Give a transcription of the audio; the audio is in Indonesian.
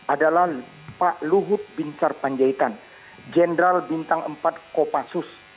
adalah pak luhut bin sarpanjaitan jenderal bintang empat kopassus